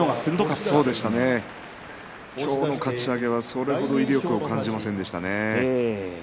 そうですね今日のかち上げはそれほど威力を感じませんでしたね。